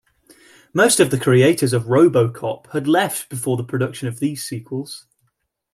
Most of the creators of "RoboCop" had left before the production of these sequels.